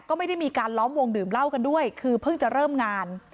ก็ไม่ได้มีการล้อมวงดื่มเหล้ากันด้วยคือเพิ่งจะเริ่มงาน